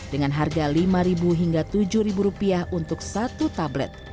dengan harga lima hingga tujuh rupiah untuk satu tablet